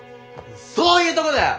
そういうとこだよ！